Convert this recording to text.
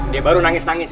dia baru nangis nangis